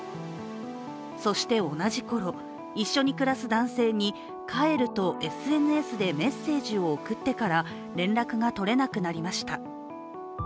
そして同じころ、一緒に暮らす男性に「帰る」とＳＮＳでメッセージを送ってから、連絡が取れなくなりました。